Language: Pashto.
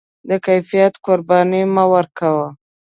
د کیفیت قرباني مه ورکوه.